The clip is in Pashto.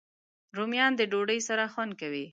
رومیان د ډوډۍ سره خوند کوي